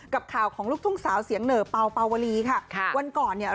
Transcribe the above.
กับข่าวของลูกทุ่งสาวเสียงเหนอเป่าเป่าวลีค่ะค่ะวันก่อนเนี่ย